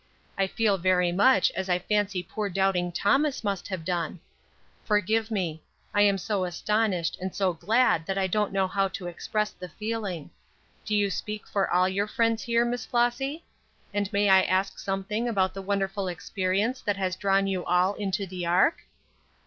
I feel very much as I fancy poor doubting Thomas must have done. Forgive me; I am so astonished, and so glad that I don't know how to express the feeling. Do you speak for all your friends here, Miss Flossy? And may I ask something about the wonderful experience that has drawn you all into the ark?"